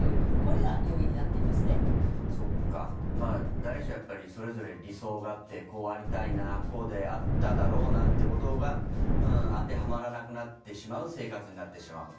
誰しも、それぞれ理想があってこうありたいなこうであっただろうなってことが当てはまらなくなってしまう生活になってしまう。